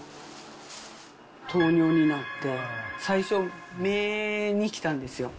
糖尿になって、最初、目に来たんですよ。